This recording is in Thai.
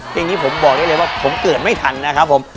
อย่างนี้ผมบอกได้เลยว่าผมเกิดไม่ทันนะครับผม